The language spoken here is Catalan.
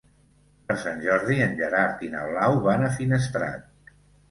Per Sant Jordi en Gerard i na Blau van a Finestrat.